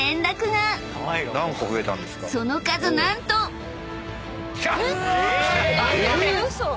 ［その数何と］え